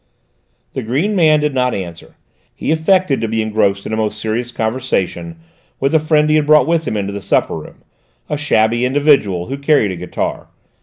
The green man did not answer; he affected to be engrossed in a most serious conversation with the friend he had brought with him into the supper room, a shabby individual who carried a guitar.